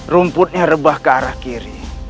rumputnya rebah ke arah kiri